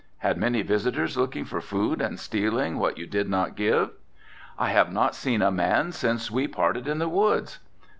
Had many visitors looking for food and stealing what you did not give?" "I have not seen a man since we parted in the woods."